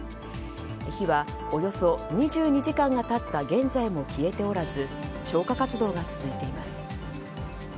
火はおよそ２２時間が経った現在も消えておらず消火活動が続いています。